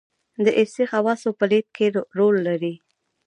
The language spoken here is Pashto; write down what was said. دارثي خواصو په لېږد کې رول لري.